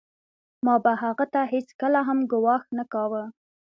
ما به هغه ته هېڅکله هم ګواښ نه کاوه